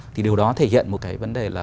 thì điều đó thể hiện một cái vấn đề là